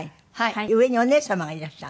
上にお姉様がいらっしゃる。